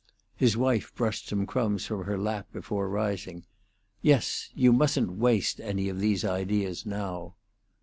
His wife brushed some crumbs from her lap before rising. "Yes. You mustn't waste any of these ideas now."